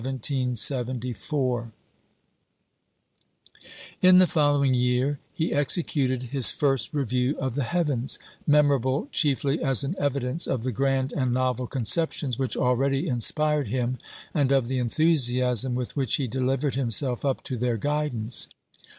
In the following year he executed his first "review of the heavens," memorable chiefly as an evidence of the grand and novel conceptions which already inspired him, and of the enthusiasm with which he delivered himself up to their guidance.